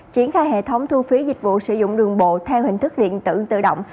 triển khai hệ thống thu phí dịch vụ sử dụng đường bộ theo hình thức điện tử tự động